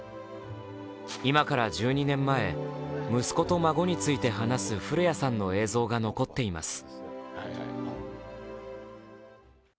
今から１２年前、息子と孫について話す古谷さんの映像が残っています。